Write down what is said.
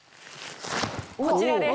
こちらです。